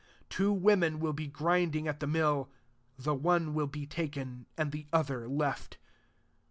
41 Twa vfomen will begrindiBgatthemill; the one will be taken, and the other left.